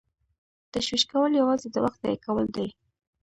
تشویش کول یوازې د وخت ضایع کول دي.